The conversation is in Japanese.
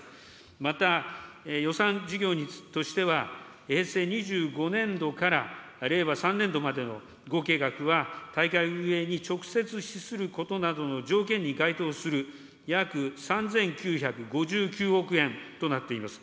また予算事業としては、平成２５年度から令和３年度までの合計額は大会運営に直接資することなどの条件に該当する約３９５９億円となっています。